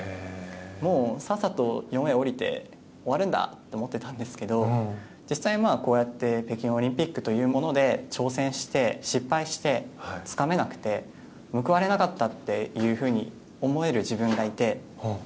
もうさっさと４Ａを降りて終わるんだと思っていたんですけど実際、こうやって北京オリンピックというもので挑戦して失敗してつかめなくて報われなかったというふうに思える自分がいて。